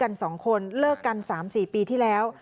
เขาบอกว่ามีลูกด้วยกัน๒คนเลิกกัน๓๔ปีที่แล้ว